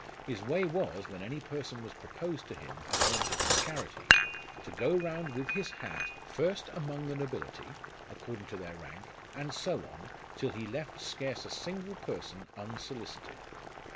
His way was, when any person was proposed to him as an object of charity, to go round with his hat first among the nobility, according to their rank, and so on, till he left scarce a single person unsolicited.